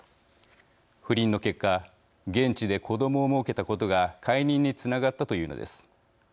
不倫の結果現地で子どもをもうけたことが解任につながったというのです。